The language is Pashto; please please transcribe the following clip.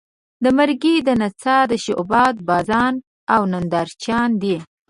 د مرګي د نڅا شعبده بازان او نندارچیان دي.